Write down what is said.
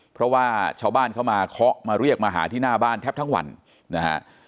เพราะว่าชาวบ้านเข้ามาเคาะมาเรียกมาหาที่หน้าบ้านแทบทั้งวันนะฮะ